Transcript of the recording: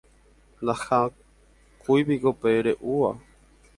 ndahakúipiko pe re'úva